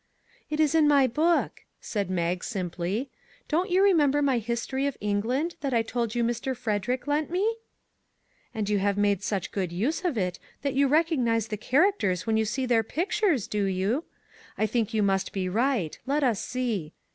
" It is in my book," said Mag simply. " Don't you remember my history of England that I told you Mr. Frederick lent me ?"" And you have made such good use of it that you recognize the characters when you see their pictures, do you? I think you must be right; let us see.